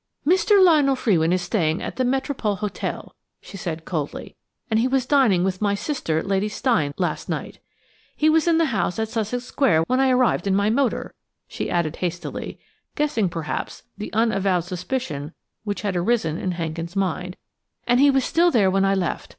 "Mr. Lionel Frewin is staying at the Metropole Hotel," she said coldly, "and he was dining with my sister, Lady Steyne, last night. He was in the house at Sussex Square when I arrived in my motor," she added hastily, guessing, perhaps, the unavowed suspicion which had arisen in Hankin's mind, "and he was still there when I left.